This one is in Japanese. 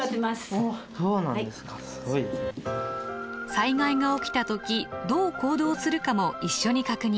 災害が起きた時どう行動するかも一緒に確認。